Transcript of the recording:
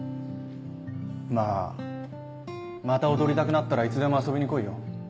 まぁまた踊りたくなったらいつでも遊びに来いよ。